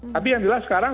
tapi yang jelas sekarang